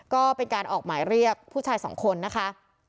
ก็เป็นการออกหมายเรียกผู้ชายสองคนนะคะ